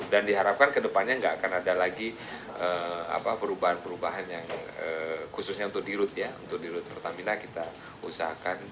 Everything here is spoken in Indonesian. dan diharapkan ke depannya tidak akan ada lagi perubahan perubahan khususnya untuk dirut pertamina kita usahakan